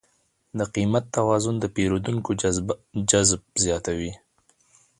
د قیمت توازن د پیرودونکو جذب زیاتوي.